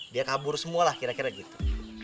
dia kabur semua lah kira kira gitu